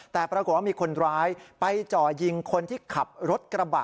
แต่ปรากฏว่ามีคนร้ายไปจ่อยิงคนที่ขับรถกระบะ